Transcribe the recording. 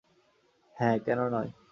হ্যাঁ, কেন নয়।